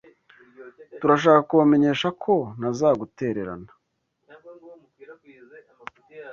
Turashaka kubamenyesha ko ntazagutererana.